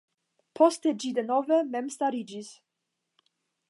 Poste ĝi denove memstariĝis.